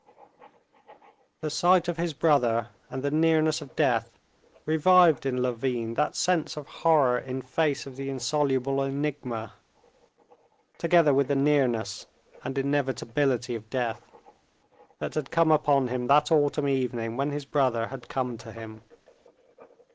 The sight of his brother, and the nearness of death, revived in Levin that sense of horror in face of the insoluble enigma, together with the nearness and inevitability of death, that had come upon him that autumn evening when his brother had come to him.